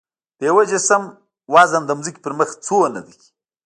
د یو جسم وزن د ځمکې پر مخ څومره دی؟